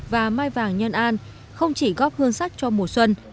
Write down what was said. và mai vàng nhân an không chỉ góp hương sắc cho mùa xuân